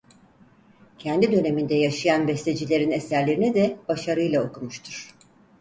Kendi döneminde yaşayan bestecilerin eserlerini de başarıyla okumuştur.